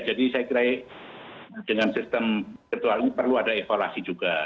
jadi saya kira dengan sistem ketua ini perlu ada evaluasi juga